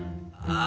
ああ。